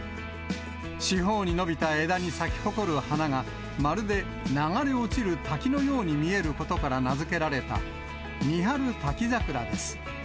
四方に伸びた枝に咲き誇る花が、まるで流れ落ちる滝のように見えることから名付けられた、三春滝桜です。